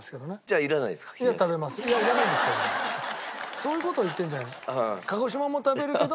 そういう事を言ってるんじゃない。